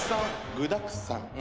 具だくさん。